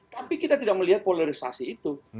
tapi kita tidak melihat polarisasi itu